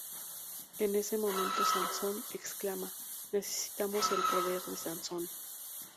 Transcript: En ese momento Sansón exclama: "¡Necesitamos el poder de Sansón!